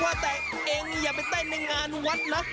ว่าแต่เองอย่าไปเต้นในงานวัดนะ